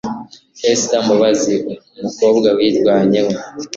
Esther Mbabazi ukobwa wirwanyeho